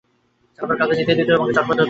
ছাপার কাজ ইত্যাদিতে তোমাকে চটপটে হতে হবে।